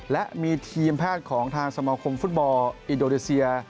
และมีทีมแพทย์ของทางสมาคมฟุตบอลอินโดนีเซีย